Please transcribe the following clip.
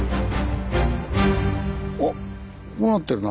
おっこうなってるな。